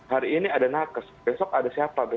hari ini ada nakes besok ada siapa